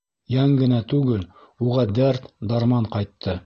Йән генә түгел, уға дәрт, дарман ҡайтты.